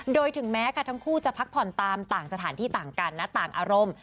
โดยถึงแม้ค่ะทั้งคู่จะพักผ่อนตามต่างสถานที่ต่างกันนะต่างอารมณ์